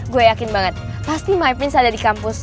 gue yakin banget pasti my prince ada di kampus